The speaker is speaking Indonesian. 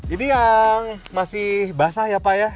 ini yang masih basah ya pak ya